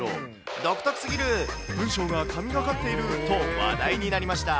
独特すぎる、文章が神がかっていると、話題になりました。